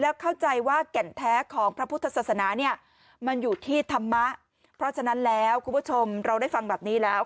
แล้วเข้าใจว่าแก่นแท้ของพระพุทธศาสนาเนี่ยมันอยู่ที่ธรรมะเพราะฉะนั้นแล้วคุณผู้ชมเราได้ฟังแบบนี้แล้ว